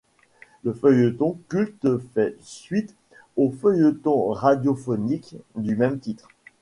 Ce feuilleton culte fait suite au feuilleton radiophonique du même titre.